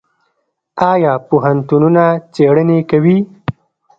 آیا پوهنتونونه څیړنې کوي؟